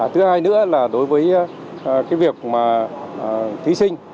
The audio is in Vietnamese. thứ hai nữa là đối với cái việc mà thí sinh